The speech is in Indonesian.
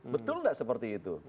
betul nggak seperti itu